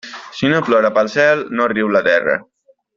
Si no plora pel cel, no riu la terra.